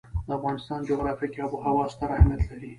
د افغانستان جغرافیه کې آب وهوا ستر اهمیت لري.